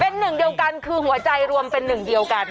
เป็นหนึ่งเดียวกันคือหัวใจรวมเป็นหนึ่งเดียวกัน